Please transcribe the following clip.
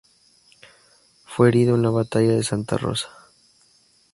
Fue herido en la batalla de Santa Rosa.